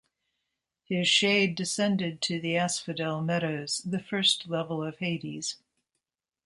His shade descended to the Asphodel Meadows, the first level of Hades.